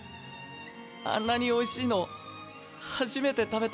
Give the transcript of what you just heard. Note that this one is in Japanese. あんなにおいしいの初めて食べた。